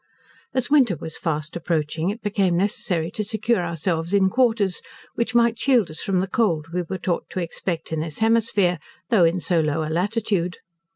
As winter was fast approaching, it became necessary to secure ourselves in quarters, which might shield us from the cold we were taught to expect in this hemisphere, though in so low a latitude.